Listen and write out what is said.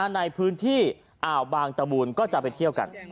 ในพื้นที่อ่าวบางตะบูนก็จะไปเที่ยวกัน